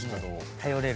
頼れる。